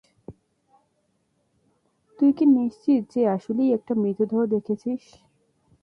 তুই কি নিশ্চিত যে আসলেই একটা মৃতদেহ দেখেছিস?